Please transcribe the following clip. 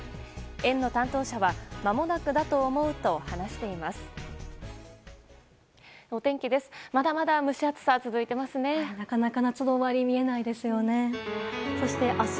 園の担当者はまもなくだと思うと話しています。